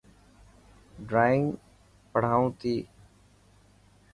ڊرانگ پڙهائون تي.